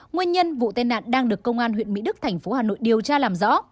nguyên nhân vụ tai nạn đang được công an huyện mỹ đức thành phố hà nội điều tra làm rõ